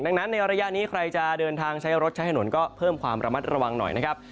ดังนั้นในระยะนี้ใครจะเดินทางใช้รถใช้ถนนก็เพิ่มความระมัดระวังหน่อยนะครับ